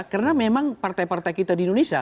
karena memang partai partai kita di indonesia